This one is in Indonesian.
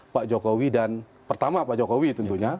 pak jokowi dan pertama pak jokowi tentunya